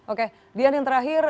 oke dian yang terakhir